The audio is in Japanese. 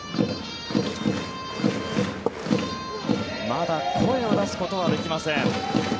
まだ声を出すことはできません。